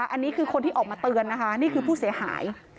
อันนี้คือคนที่ออกมาเตือนนะคะนี่คือผู้เสียหาย